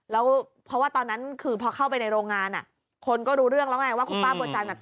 แล้วเพราะว่าตอนนั้นคือพอเข้าไปในโรงงานอ่ะคนก็รู้เรื่องแล้วไงว่าคุณป้าบัวจันทร์